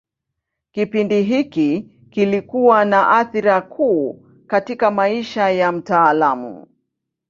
Kipindi hiki kilikuwa na athira kuu katika maisha ya mtaalamu.